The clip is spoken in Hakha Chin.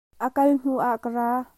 A kal hnu ah ka ra.